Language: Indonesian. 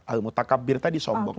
al mutakabbir tadi sombong